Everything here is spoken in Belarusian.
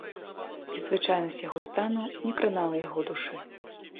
Незвычайнасць яго стану не кранала яго душы.